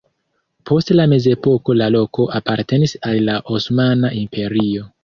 Post la mezepoko la loko apartenis al la Osmana Imperio.